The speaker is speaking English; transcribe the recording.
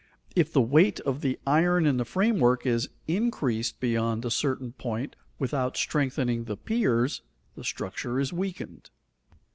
If the weight of the iron in the framework is increased beyond a certain point without strengthening the piers, the structure is weakened.